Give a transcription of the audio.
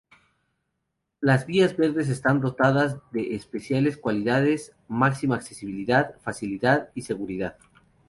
Las vías verdes están dotadas de especiales cualidades: máxima accesibilidad, facilidad y seguridad.